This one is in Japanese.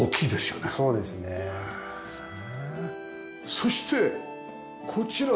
そしてこちら壁面。